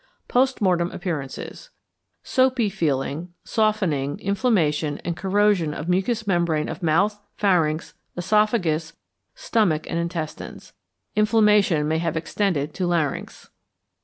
Post Mortem Appearances. Soapy feeling, softening, inflammation, and corrosion of mucous membrane of mouth, pharynx, oesophagus, stomach, and intestines. Inflammation may have extended to larynx.